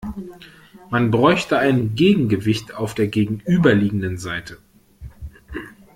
Man bräuchte ein Gegengewicht auf der gegenüberliegenden Seite.